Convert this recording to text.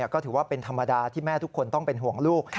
ก็ถือว่าเป็นธรรมดาที่แม่ทุกคนต้องเป็นห่วงลูก